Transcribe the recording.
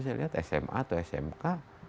saya lihat sma atau smk